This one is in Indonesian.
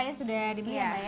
ini nangkanya sudah dibiarkan ya